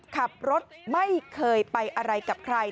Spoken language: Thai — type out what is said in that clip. ขับรถไม่เคยไปอะไรกับใคร